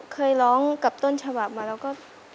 เคยร้องกับต้นฉบับมาแล้วก็